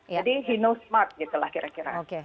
jadi he knows smart gitu lah kira kira